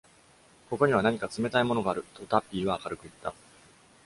「ここには何か冷たいものがある」とタッピーは明るく言った。